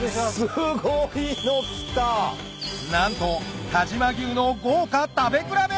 すごいの来た！なんと但馬牛の豪華食べ比べ！